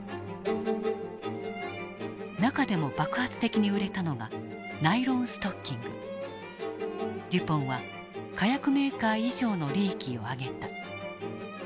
中でも爆発的に売れたのがデュポンは火薬メーカー以上の利益を上げた。